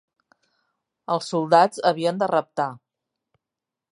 Els soldats havien de reptar.